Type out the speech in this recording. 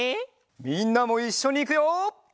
みんなもいっしょにいくよ！